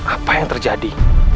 apa yang terjadi